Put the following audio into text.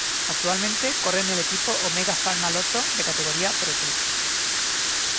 Actualmente corre en el equipo Omega Pharma-Lotto, de categoría ProTour.